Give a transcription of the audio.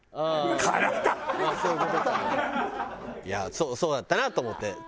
いやそうだったなと思って。